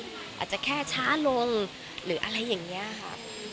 อาจจะแค่ช้าลงหรืออะไรอย่างนี้ค่ะ